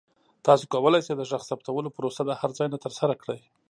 تاسو کولی شئ د غږ ثبتولو پروسه د هر ځای نه ترسره کړئ.